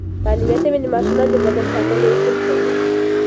تعلیم یافته میندې د ماشومانو د بدن ساتنې اصول ښيي.